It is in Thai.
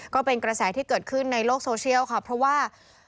ก็เป็นกระแสที่เกิดขึ้นในโลกโซเชียลค่ะเพราะว่า